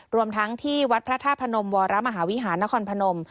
รวมทั้งที่วัดพระธาตุพนมวรมหาวิหารนครพนม